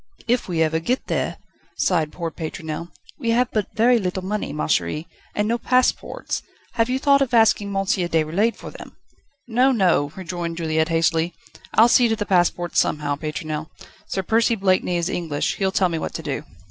"If we ever get there!" sighed poor Pétronelle; "we have but very little money, ma chérie, and no passports. Have you thought of asking M. Déroulède for them?" "No, no," rejoined Juliette hastily; "I'll see to the passports somehow, Pétronelle. Sir Percy Blakeney is English; he'll tell me what to do."